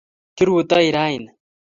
Kirutei rani